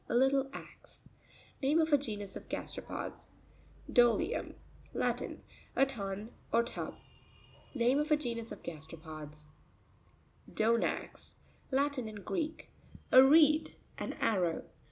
A little axe. Name of a genus of gasteropods (page 64). Do'tium.— Latin. A tun or tub. Name of a genus of gasteropods (page 53). Do'nax.—Latin and Greek. A reed; an arrow.